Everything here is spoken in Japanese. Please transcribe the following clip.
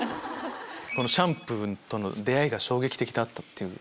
シャンプーとの出合いが衝撃的だったっていう。